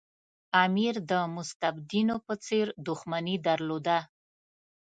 امیر د مستبدینو په څېر دښمني درلوده.